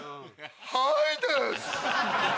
はいです！